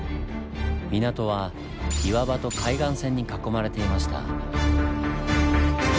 港は岩場と海岸線に囲まれていました。